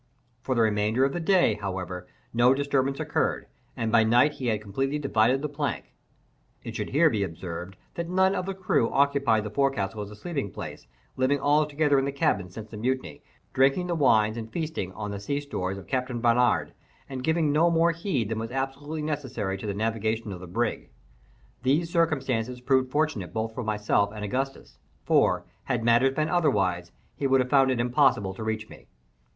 For the remainder of the day, however, no disturbance occurred, and by night he had completely divided the plank. It should here be observed that none of the crew occupied the forecastle as a sleeping place, living altogether in the cabin since the mutiny, drinking the wines and feasting on the sea stores of Captain Barnard, and giving no more heed than was absolutely necessary to the navigation of the brig. These circumstances proved fortunate both for myself and Augustus; for, had matters been otherwise, he would have found it impossible to reach me.